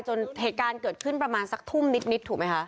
เหตุการณ์เกิดขึ้นประมาณสักทุ่มนิดถูกไหมคะ